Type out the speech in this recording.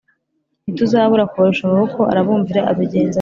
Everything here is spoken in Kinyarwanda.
ntituzabura kubarusha amaboko” Arabumvira abigenza atyo